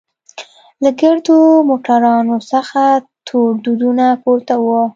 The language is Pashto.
له ګردو موټرانوڅخه تور دودونه پورته وو.